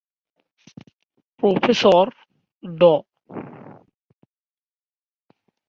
Professor ড।